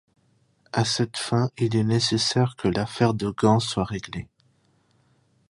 À cette fin, il est nécessaire que l'affaire de Gand soit réglée.